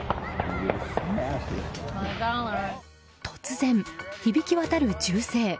突然、響き渡る銃声。